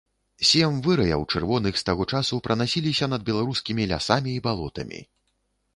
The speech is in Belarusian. Сем выраяў чырвоных з таго часу пранасіліся над беларускімі лясамі і балотамі.